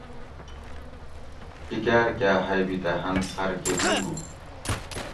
چکاٞر کاٞ ہیٔبِتہ ہن پھر کٞہ بِیرُو